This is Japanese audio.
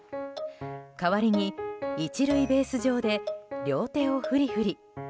代わりに１塁ベース上で両手を振り振り。